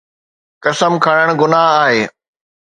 قسم کڻڻ گناهه آهي.